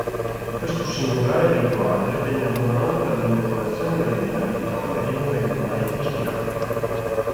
Questo singolare rituale venne abbandonato dall'Incoronazione della regina Vittoria e non venne mai ripristinato.